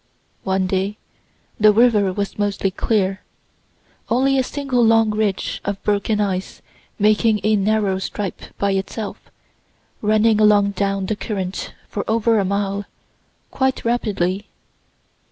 One day the river was mostly clear only a single long ridge of broken ice making a narrow stripe by itself, running along down the current for over a mile, quite rapidly.